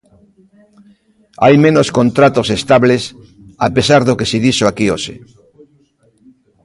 Hai menos contratos estables a pesar do que se dixo aquí hoxe.